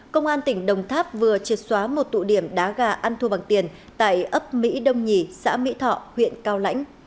công an tỉnh đồng tháp vừa triệt xóa một tụ điểm đá gà ăn thua bằng tiền tại ấp mỹ đông nhì xã mỹ thọ huyện cao lãnh